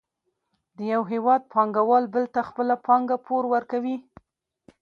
د یو هېواد پانګوال بل ته خپله پانګه پور ورکوي